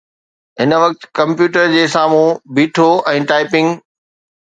هن وقت ڪمپيوٽر جي سامهون بيٺو ۽ ٽائپنگ